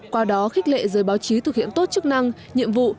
qua đó khích lệ giới báo chí thực hiện tốt chức năng nhiệm vụ